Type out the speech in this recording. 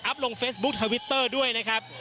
ลงเฟซบุ๊คทวิตเตอร์ด้วยนะครับ